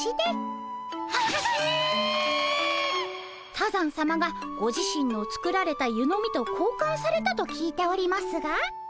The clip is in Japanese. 多山さまがご自身の作られた湯飲みとこうかんされたと聞いておりますが。